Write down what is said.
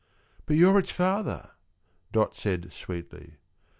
"But you're its father," Dot said sweetly.